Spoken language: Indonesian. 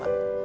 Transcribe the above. apa tuh pak